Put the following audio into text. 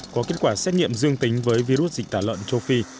có kết quả xét nghiệm dương tính với virus dịch tả lợn châu phi